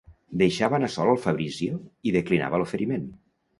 Deixava anar sol al Fabrizio i declinava l'oferiment.